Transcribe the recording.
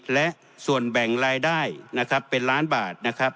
และส่วนแบ่งรายได้เป็นล้านบาท